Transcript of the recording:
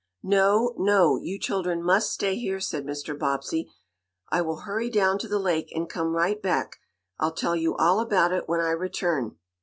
"No, no! You children must stay here," said Mr. Bobbsey. "I will hurry down to the lake, and come right back. I'll tell you all about it, when I return."